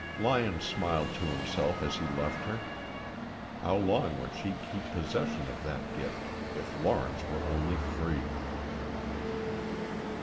Lyon smiled to himself as he left her. How long would she keep possession of that gift, if Lawrence were only free?